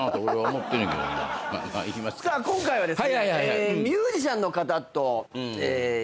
さあ今回はですね。